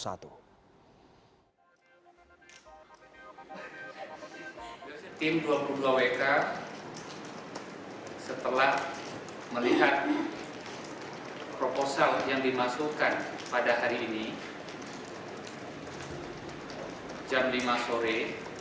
setelah melihat proposal yang dimasukkan pada hari ini jam lima sore